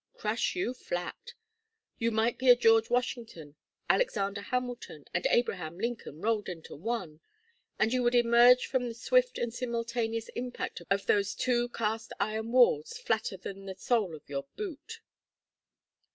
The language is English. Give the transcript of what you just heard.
Crush you flat. You might be a George Washington, Alexander Hamilton, and Abraham Lincoln rolled into one, and you would emerge from the swift and simultaneous impact of those two cast iron walls flatter than the sole of your boot.